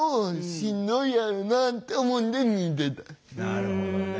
なるほどね。